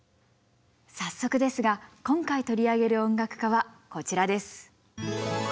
早速ですが今回取り上げる音楽家はこちらです。